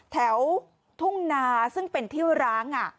แถวทุ่งนาซึ่งเป็นที่ร้าง